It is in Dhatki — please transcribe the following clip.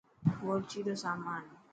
بورچي رو سامان.